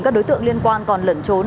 các đối tượng liên quan còn lẩn trốn